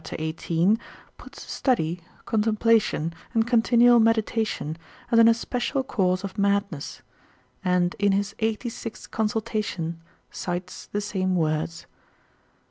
18, puts study, contemplation, and continual meditation, as an especial cause of madness: and in his 86 consul. cites the same words.